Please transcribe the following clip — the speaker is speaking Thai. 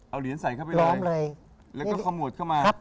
เอาเหรียญใส่เข้าไปล้อมแล้วก็ขมวดเข้ามา